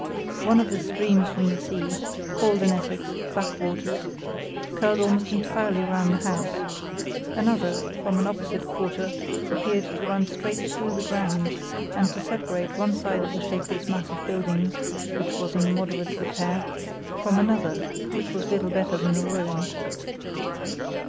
One of the streams from the sea (called, in Essex, "backwaters") curled almost entirely round the house. Another, from an opposite quarter, appeared to run straight through the grounds, and to separate one side of the shapeless mass of buildings, which was in moderate repair, from another, which was little better than a ruin.